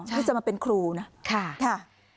พี่จะมาเป็นครูนะค่ะค่ะ